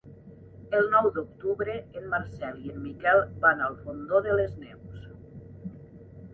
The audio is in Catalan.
El nou d'octubre en Marcel i en Miquel van al Fondó de les Neus.